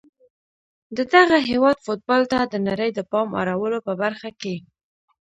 د دغه هیواد فوتبال ته د نړۍ د پام اړولو په برخه کې